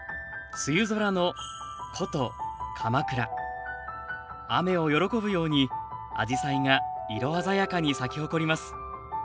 梅雨空の雨を喜ぶようにあじさいが色鮮やかに咲き誇ります